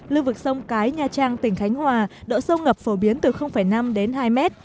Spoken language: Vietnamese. lưu vực sông cái nha trang tỉnh khánh hòa độ sâu ngập phổ biến từ năm đến hai mét